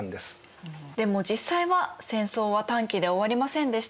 でも実際は戦争は短期では終わりませんでした。